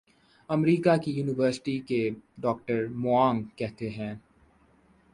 امریکہ کی یونیورسٹی کیے ڈاکٹر موانگ کہتے ہیں